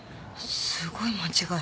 すごい間違え。